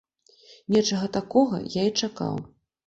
Нечага такога я і чакаў.